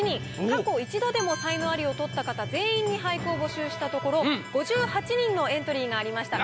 過去一度でも才能アリを取った方全員に俳句を募集したところ５８人のエントリーがありました